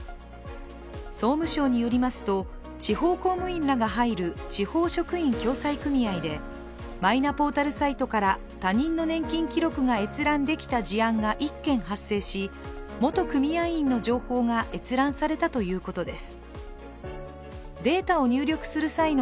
総務省によりますと、地方公務員らが入る地方職員共済組合でマイナポータルサイトから他人の年金記録が閲覧できた事案が１件発生し元組合員の情報が閲覧されたということです。